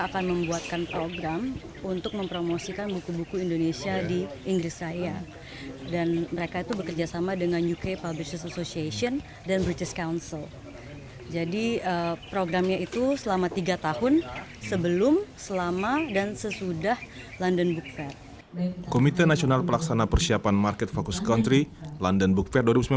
komite nasional pelaksana persiapan market focus country london book fair dua ribu sembilan belas